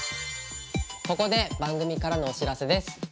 ここで番組からのお知らせです。